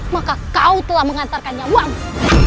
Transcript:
maka kau telah mengantarkan nyawamu